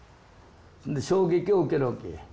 そんで衝撃を受けるわけ。